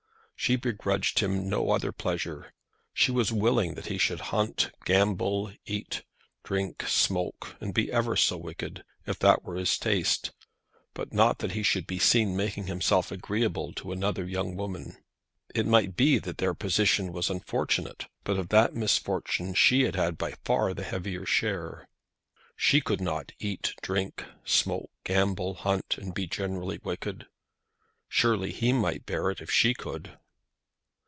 She begrudged him no other pleasure. She was willing that he should hunt, gamble, eat, drink, smoke, and be ever so wicked, if that were his taste; but not that he should be seen making himself agreeable to another young woman. It might be that their position was unfortunate, but of that misfortune she had by far the heavier share. She could not eat, drink, smoke, gamble, hunt, and be generally wicked. Surely he might bear it if she could.